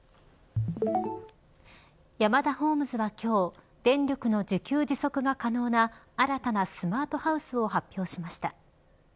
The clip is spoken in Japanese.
ヤマダホームズは今日電力の自給自足が可能な新たなスマートハウスを発表しました。